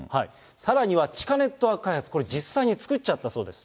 さらには地下ネットワーク開発、これ、実際に作っちゃったそうです。